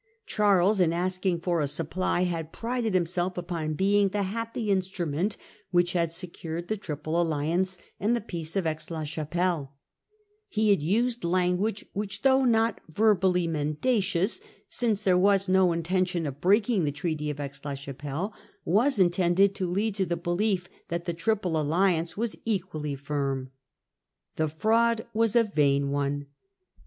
Charles, in asking for a supply, had prided himself upon being the happy instrument which had secured the Triple Alliance and the Peace of Aix la Chapelle. lie had used language which, though not verbally menda 1 84 Preparations of Louis^or War. 1670. cious— since there was no intention of breaking the Treaty of Aix la Chapelle — was intended to lead to the _ belief that the Triple Alliance was equally the Com firm. The fraud was a vain one.